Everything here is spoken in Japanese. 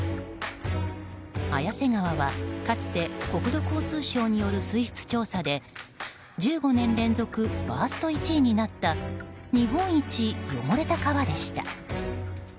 綾瀬川はかつて国土交通省による水質調査で１５年連続ワースト１位になった日本一汚れた川でした。